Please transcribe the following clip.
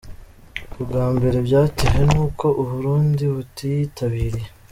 Ubwa mbere byatewe n’uko u Burundi butayitabiriye.